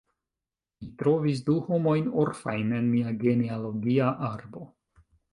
Mi trovis du homojn orfajn en mia genealogia arbo.